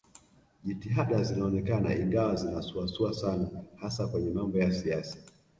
Jitihada zinaonekana ingawa zinasuasua sana hasa kwenye mambo ya siasa